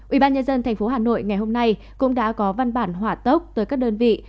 ubnd thành phố hà nội ngày hôm nay cũng đã có văn bản hỏa tốc tới các đơn vị